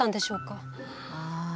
ああ。